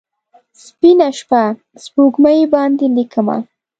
سپینه شپه، سپوږمۍ باندې لیکمه